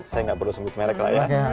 saya nggak perlu sebut merek lah ya